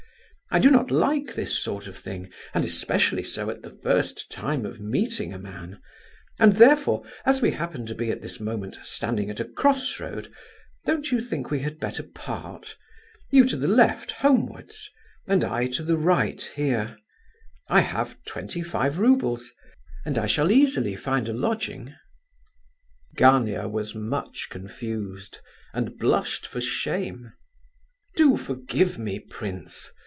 I do not like this sort of thing, and especially so at the first time of meeting a man, and, therefore, as we happen to be at this moment standing at a crossroad, don't you think we had better part, you to the left, homewards, and I to the right, here? I have twenty five roubles, and I shall easily find a lodging." Gania was much confused, and blushed for shame "Do forgive me, prince!"